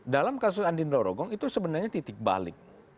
dalam kasus andindra rogong itu sebenarnya titik balik